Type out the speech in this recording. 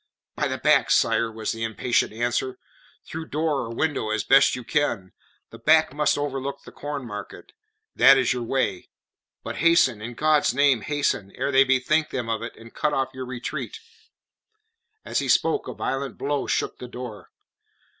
"By the back, sire," was the impatient answer. "Through door or window as best you can. The back must overlook the Corn Market; that is your way. But hasten in God's name hasten! ere they bethink them of it and cut off your retreat." As he spoke a violent blow shook the door.